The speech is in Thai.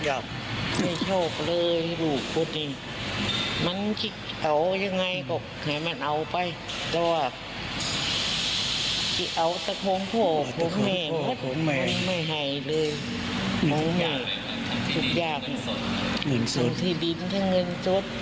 ว่าเอาแต่โค้งโค้งแม่ไม่ให้เลยทุกอย่างที่ดินถ้าเงินจด